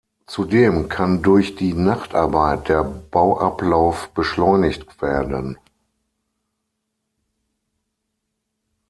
Zudem kann durch die Nachtarbeit der Bauablauf beschleunigt werden.